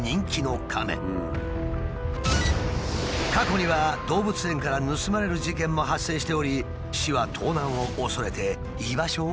過去には動物園から盗まれる事件も発生しており市は盗難を恐れて居場所を秘密にしているのだ。